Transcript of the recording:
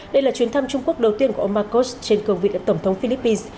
đây là chuyến thăm trung quốc đầu tiên của ông marcos trên cường vị tổng thống philippines